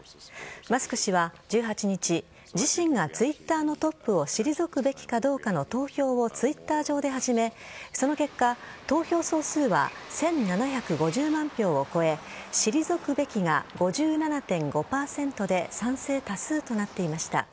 マスク氏は１８日自身がＴｗｉｔｔｅｒのトップを退くべきかどうかの投票をＴｗｉｔｔｅｒ上で始めその結果投票総数は１７５０万票を超え退くべきが５７．５％で賛成多数となっていました。